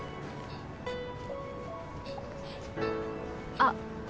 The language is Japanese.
あっ